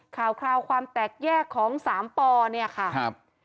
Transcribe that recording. ค่าวความแตกแยกของสามปอเนี่ยค่ะ